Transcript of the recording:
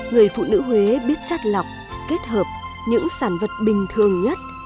người phụ nữ huế biết chất lọc kết hợp những sản vật bình thường nhất